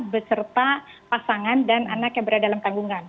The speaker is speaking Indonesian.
beserta pasangan dan anak yang berada dalam tanggungan